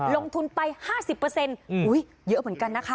ลงทุนไป๕๐เยอะเหมือนกันนะคะ